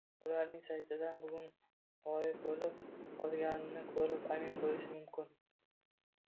ularning saytidan bugun g‘oyib bo‘lib qolganini ko‘rib amin bo‘lish mumkin